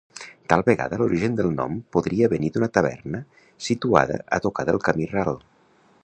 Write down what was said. Tal vegada l'origen del nom podria venir d'una taverna situada a tocar del camí ral.